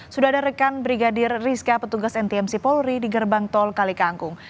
sudah ada rekan brigadir rizka petugas ntmc polri di gerbang tol kalikangkung